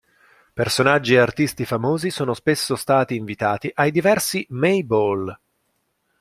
Personaggi e artisti famosi sono spesso stati invitati ai diversi "May Ball".